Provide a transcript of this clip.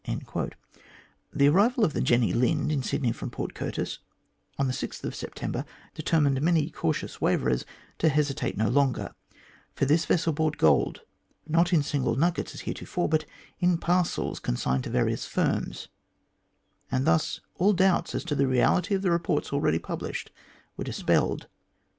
The arrival of the Jenny Lind in Sydney from Port Curtis,, on September 6, determined many cautious waverers to hesitate no longer, for this vessel brought gold, not in single nuggets as heretofore, but in parcels, consigned to various firms, and thus all doubts as to the reality of the reports already published were dispelled.